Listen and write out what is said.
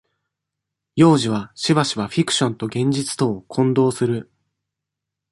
幼児は、しばしば、フィクションと現実とを、混同する。